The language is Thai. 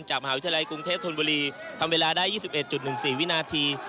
จากมหาวิทยาลัยกรุงเทพธนบุรีทำเวลาได้ยี่สิบเอ็ดจุดหนึ่งสี่วินาที